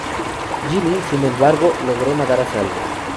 Ginny, sin embargo, logró nadar a salvo.